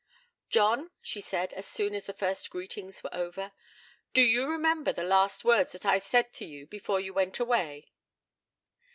'John,' she said, as soon as the first greetings were over, 'do you remember the last words that I said to you before you went away?'